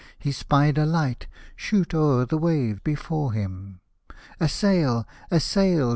He spied a light Shoot o'er the wave before him. "A sail ! a sail